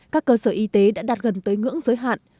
các cơ sở y tế đã đạt gần tới ngưỡng giới hạn